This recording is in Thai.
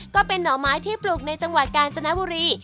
ก็เป็นหน่อไม้ที่ปลูกในจังหวัดกาญจนบุรี